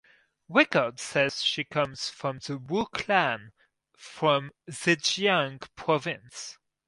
Records say she comes from the Wu Clan from Zhejiang Province.